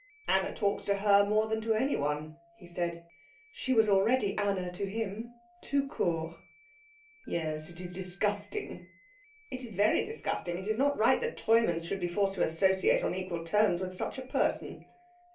"Anna talks to her more than to anyone," he said; she was already "Anna" to him, tout court. "Yes. It is disgusting." "It is very disgusting. It is not right that Treumanns should be forced to associate on equal terms with such a person."